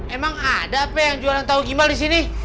emang ada apa yang jualan tau gimbal disini